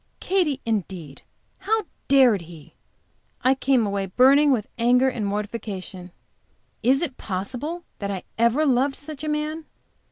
Katy, indeed! How dared he? I came away burning with anger and mortification. Is it possible that I ever loved such a man?